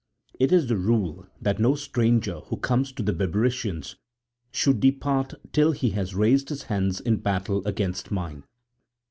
It is the rule that no stranger who comes to the Bebrycians should depart till he has raised his hands in battle against mine.